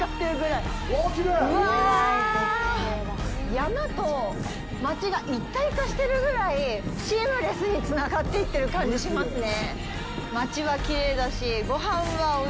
山と街が一体化してるぐらいシームレスにつながっていってる感じがしますね。